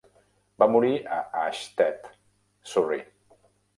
Va morir a Ashtead, Surrey.